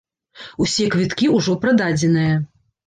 Усе квіткі ўжо прададзеныя.